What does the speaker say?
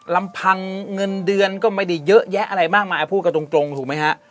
ลำพังเงินเดือนก็ไม่ได้เยอะแยะอะไรมากมายพูดกันตรงถูกไหมฮะ